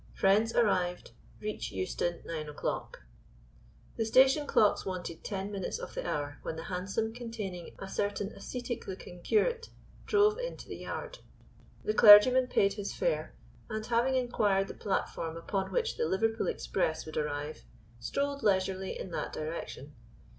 Friends arrived. Reach Euston nine o'clock. The station clocks wanted ten minutes of the hour when the hansom containing a certain ascetic looking curate drove into the yard. The clergyman paid his fare, and, having inquired the platform upon which the Liverpool express would arrive, strolled leisurely in that direction.